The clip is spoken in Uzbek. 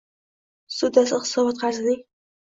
ssudasi Hisobot qarzining